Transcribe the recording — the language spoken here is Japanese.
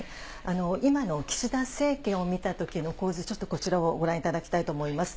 今の岸田政権を見たときの構図、ちょっとこちらをご覧いただきたいと思います。